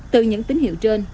từ những tín hiệu trên